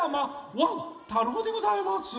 ワン太郎でございます。